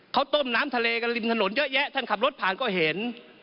เขาต้มน้ำทะเลกันริมถนนเยอะแยะท่านขับรถผ่านก็เห็น